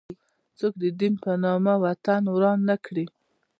څوک د دین په نامه وطن وران نه کړي.